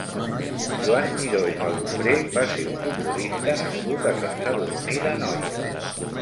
Joan Miró i Galofré va ser un futbolista nascut a Sant Sadurní d'Anoia.